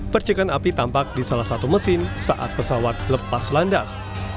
percikan api tampak di salah satu mesin saat pesawat lepas landas